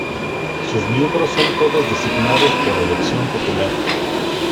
Sus miembros son todos designados por elección popular.